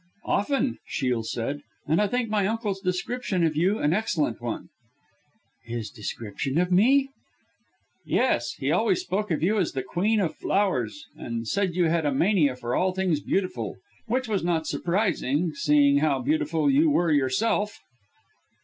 "Often," Shiel said, "And I think my uncle's description of you an excellent one." "His description of me!" "Yes! he always spoke of you as the Queen of Flowers, and said you had a mania for all things beautiful, which was not surprising, seeing how beautiful you were yourself."